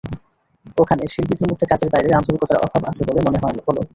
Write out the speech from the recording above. ওখানে শিল্পীদের মধ্যে কাজের বাইরে আন্তরিকতার অভাব আছে বলে মনে হলো।